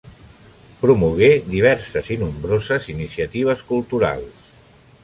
Promogué diverses i nombroses iniciatives culturals.